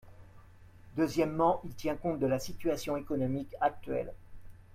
Deuxièmement, il tient compte de la situation économique actuelle.